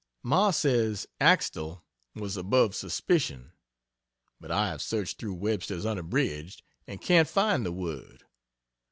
Ma says Axtele was above "suspition" but I have searched through Webster's Unabridged, and can't find the word.